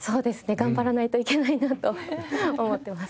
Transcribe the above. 頑張らないといけないなと思ってます。